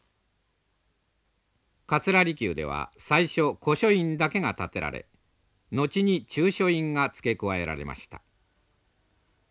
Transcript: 桂離宮では最初古書院だけが建てられ後に中書院がつけ加えられました。